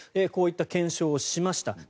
こういった検証をしました。